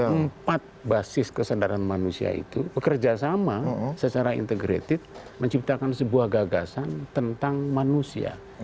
keempat basis kesadaran manusia itu bekerja sama secara integrated menciptakan sebuah gagasan tentang manusia